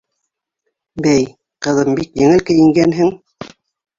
— Бәй, ҡыҙым, бик еңел кейенгәнһең.